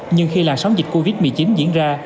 nhưng khi làn sóng dịch covid một mươi chín diễn ra